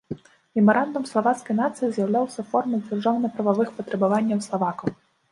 Мемарандум славацкай нацыі з'яўляўся формай дзяржаўна-прававых патрабаванняў славакаў.